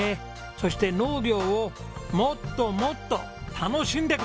そして農業をもっともっと楽しんでください！